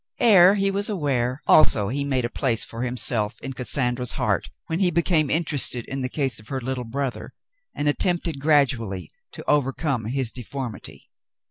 Ere he was aware, also, he made a place for Cassandra tells of her Father 105 himself in Cassandra's heart when he became interested in the case of her Httle brother, and attempted gradually to overcome his deformity.